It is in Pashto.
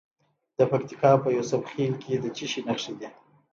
د پکتیکا په یوسف خیل کې د څه شي نښې دي؟